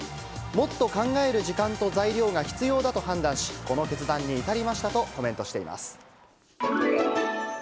もっと考える時間と材料が必要だと判断し、この決断に至りましたとコメントしています。